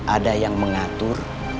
ada yang mengatur